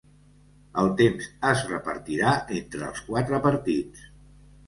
El temps es repartirà entre els quatre partits.